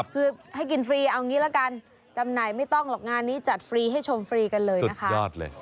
คือให้กินฟรีเอางี้ละกันจำหน่ายไม่ต้องหรอกงานนี้จัดฟรีให้ชมฟรีกันเลยนะคะ